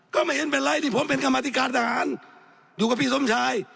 ก็ไม่เห็นเป็นไรที่ผมเป็นกรรมธิการทหารอยู่กับพี่สมชาย